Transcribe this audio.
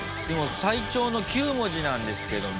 最長の９文字なんですけども。